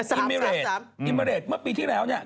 อิมเมริดเมื่อปีที่แล้วเนี่ย